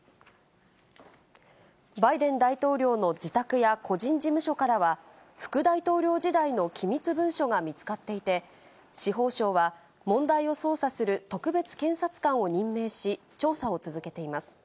バイデン大統領の自宅や個人事務所からは、副大統領時代の機密文書が見つかっていて、司法省は問題を捜査する特別検察官を任命し、調査を続けています。